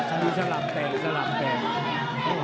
อันนี้สลับเต่งสลับเต่ง